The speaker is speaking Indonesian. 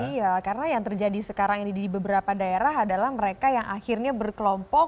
iya karena yang terjadi sekarang ini di beberapa daerah adalah mereka yang akhirnya berkelompok